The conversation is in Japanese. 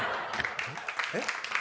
えっ？